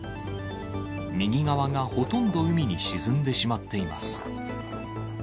右側がほとんど海に沈んでしまっています。